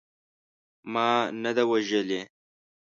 ما نه ده وژلې.